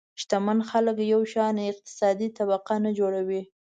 شتمن خلک یو شان اقتصادي طبقه نه جوړوي.